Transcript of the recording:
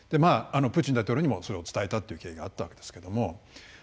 プーチン大統領にもそれを伝えたという経緯があったわけですけども。